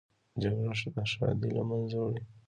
جګړه ښادي له منځه وړي